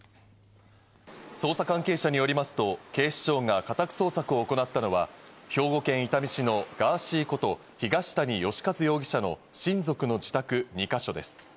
捜査関係者によりますと警視庁が家宅捜索を行ったのは兵庫県伊丹市のガーシーこと東谷義和容疑者の親族の自宅２か所です。